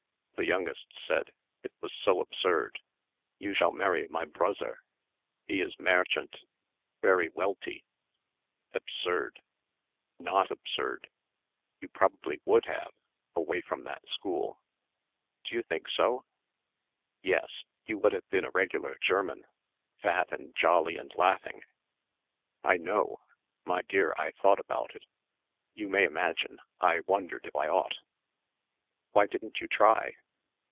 The youngest said it was so absurd 'you shall marry my bruzzer he is mairchant very welty' absurd." "Not absurd you probably would have, away from that school." "D'you think so?" "Yes, you would have been a regular German, fat and jolly and laughing." "I know. My dear I thought about it. You may imagine. I wondered if I ought." "Why didn't you try?"